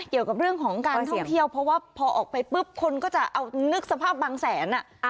เกี่ยวกับเรื่องของการท่องเที่ยวเพราะว่าพอออกไปปุ๊บคนก็จะเอานึกสภาพบางแสน